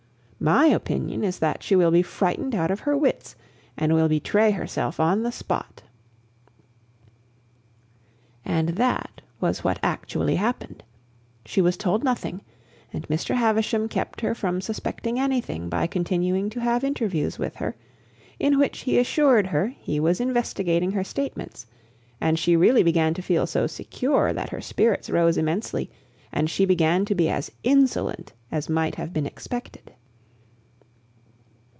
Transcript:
My opinion is that she will be frightened out of her wits, and will betray herself on the spot." And that was what actually happened. She was told nothing, and Mr. Havisham kept her from suspecting anything by continuing to have interviews with her, in which he assured her he was investigating her statements; and she really began to feel so secure that her spirits rose immensely and she began to be as insolent as might have been expected.